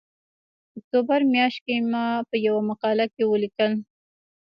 اکتوبر میاشت کې ما په یوه مقاله کې ولیکل